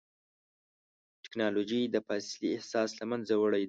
ټکنالوجي د فاصلې احساس له منځه وړی دی.